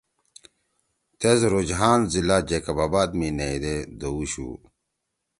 تیس روجھان ضلع جیکب آباد می نیئی دے دؤوشُو